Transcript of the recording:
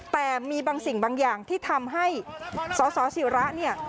แต่มีบางสิ่งบางอย่างที่ทำให้สอสอศิรา